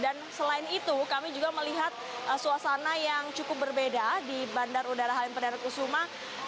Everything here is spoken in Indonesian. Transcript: dan selain itu kami juga melihat suasana yang cukup berbeda di bandara udara halim perdana kusuma